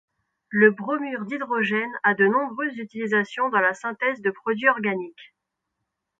Le bromure d'hydrogène a de nombreuses utilisations dans la synthèse de produits organiques.